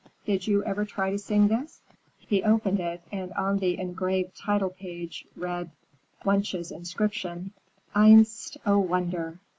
Did you ever try to sing this?" He opened it and on the engraved title page read Wunsch's inscription, "_Einst, O Wunder!